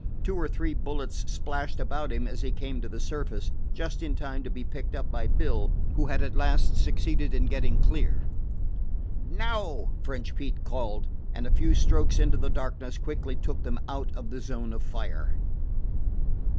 Two or three bullets splashed about him as he came to the surface, just in time to be picked up by Bill, who had at last succeeded in getting clear. "Now!" French Pete called, and a few strokes into the darkness quickly took them out of the zone of fire.